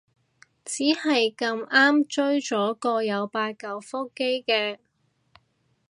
只係咁啱追咗個有八舊腹肌嘅